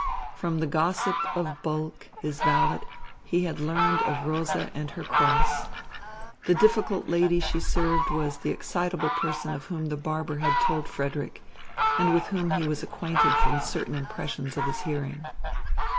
From the gossip of Bulke, his valet, he had learned of Rosa and her cross. The difficult lady she served was the excitable person of whom the barber had told Frederick and with whom he was acquainted from certain impressions of his hearing.